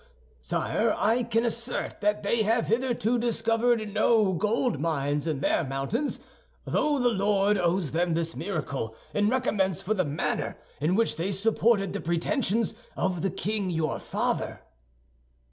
"Sire, I can assert that they have hitherto discovered no gold mines in their mountains; though the Lord owes them this miracle in recompense for the manner in which they supported the pretensions of the king your father."